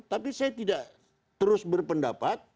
tapi saya tidak terus berpendapat